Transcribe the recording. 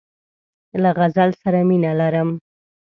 له غزل سره مینه لرم.